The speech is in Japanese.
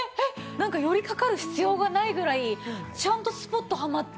なんか寄りかかる必要がないぐらいちゃんとスポッとはまって。